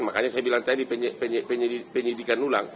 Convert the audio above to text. makanya saya bilang tadi penyelidikan ulang